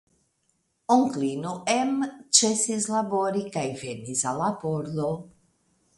Onklino Em ĉesis labori kaj venis al la pordo.